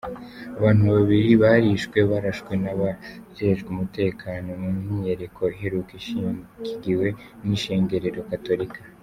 Abantu babiri barishwe barashwe n'abajejwe umutekano mu myiyerekano iheruka ishigikiwe n'ishengero Gatolika.